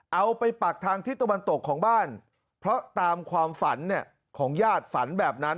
ไปปักทางทิศตะวันตกของบ้านเพราะตามความฝันของญาติฝันแบบนั้น